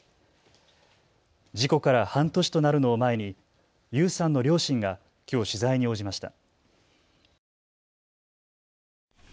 事故から半年となるのを前に優さんの両親がきょう取材に応じました。